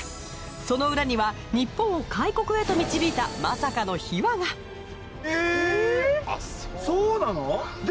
その裏には日本を開国へと導いたまさかの秘話がで